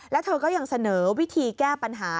แล้วเธอก็ยังเสนอวิธีแก้ปัญหา